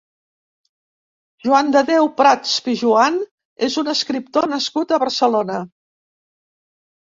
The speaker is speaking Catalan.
Joan de Déu Prats Pijoan és un escriptor nascut a Barcelona.